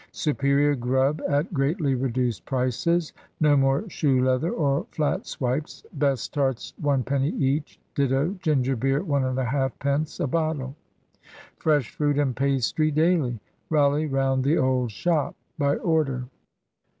Superior grub at greatly reduced prices. No more shoe leather or flat swipes! Best tarts 1 penny each; ditto ginger beer 1½ pence a bottle. Fresh fruit and pastry daily. Rally round the old shop! "By Order."